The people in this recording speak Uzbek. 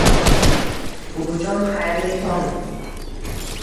- buvijon, xayrli tong!